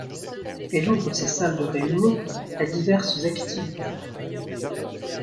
Elle ouvre ses salles de réunions à diverses activités.